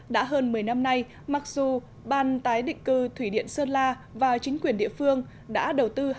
đã hơn một mươi năm nay mặc dù ban tái định cư thủy điện sơn la và chính quyền địa phương đã đầu tư